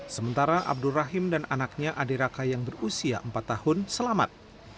sementara abdur rahim dan anaknya adiraka yang berusia empat tahun selamat